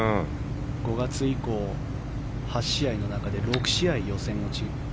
５月以降、８試合の中で６試合予選落ち。